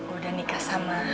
udah nikah sama